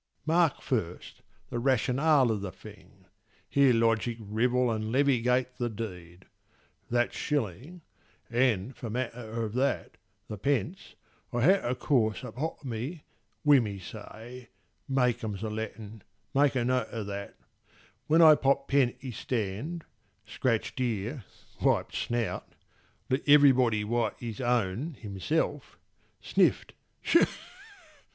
Mark first the rationale of the thing: Hear logic rivel and levigate the deed. That shilling—and for matter o' that, the pence— I had o' course upo' me—wi' me say— (Mecum's the Latin, make a note o' that) When I popp'd pen i' stand, scratch'd ear, wiped snout, (Let everybody wipe his own himself) Sniff'd—tch!